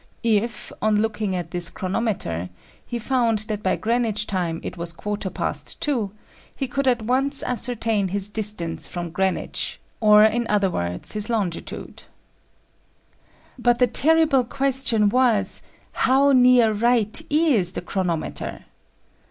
If, on looking at this chronometer, he found that by Greenwich time it was quarter past two, he could at once ascertain his distance from Greenwich, or in other words, his longitude. But the terrible question was, how near right is the chronometer?